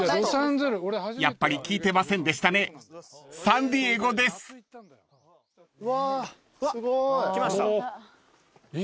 ［やっぱり聞いてませんでしたねサンディエゴです！］わすごい。来ました。